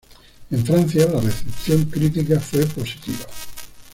En Francia, la recepción crítica fue positiva.